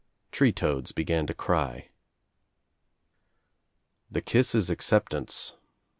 Tree toads be gan to cry. "The kiss is acceptance.